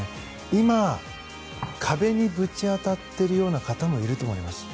今、壁にぶち当たっているような方もいると思います。